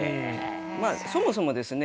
まあそもそもですね